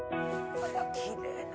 あらきれいな。